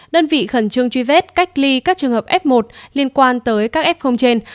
đơn vị khẩn trương truy vết cách ly các trường hợp f một liên quan tới các f trên